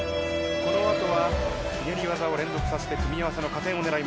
このあとはひねり技を連続させて組み合わせの加点をねらい